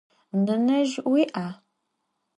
Nenezj vui'a?